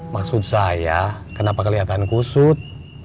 maksud saya kenapa kelihatan kusut